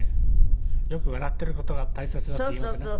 よく笑っている事が大切だって言いますね。